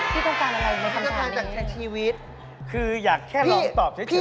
พี่ต้องการอะไรอยู่ในคำถามนี้คืออยากแค่ลองตอบเฉย